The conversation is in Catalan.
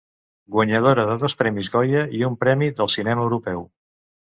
Guanyadora de dos Premis Goya i un Premi del Cinema Europeu.